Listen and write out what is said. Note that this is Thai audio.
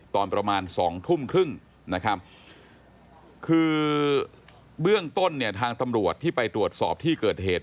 ตอนประมาณ๒ทุ่มครึ่งนะครับคือเบื้องต้นเนี่ยทางตำรวจที่ไปตรวจสอบที่เกิดเหตุ